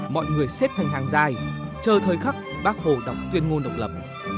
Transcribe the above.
mọi người xếp thành hàng dài chờ thời khắc bác hồ đọc tuyên ngôn độc lập